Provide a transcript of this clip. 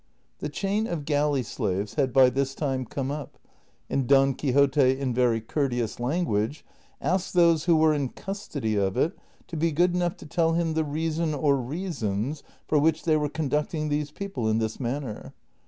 CHAPTER XXII. 159 The chain of galley slaves had by this time come up, and Don Quixote in very courteous language asked those who were in custody of it to be good enough to tell him the reason or reasons for which they were conducting these people in tJiis manner.